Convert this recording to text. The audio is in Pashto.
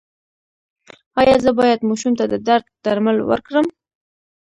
ایا زه باید ماشوم ته د درد درمل ورکړم؟